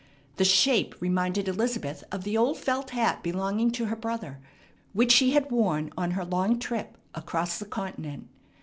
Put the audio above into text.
The shape reminded Elizabeth of the old felt hat belonging to her brother, which she had worn on her long trip across the continent.